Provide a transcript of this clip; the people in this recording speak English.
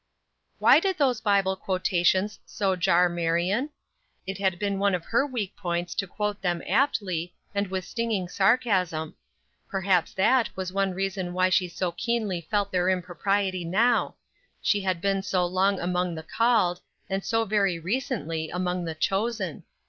Why did those Bible quotations so jar Marion? It had been one of her weak points to quote them aptly, and with stinging sarcasm. Perhaps that was one reason why she so keenly felt their impropriety now; she had been so long among the "called," and so very recently among the "chosen."